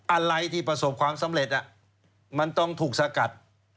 อะไรที่ประสบความสำเร็จมันต้องถูกสกัด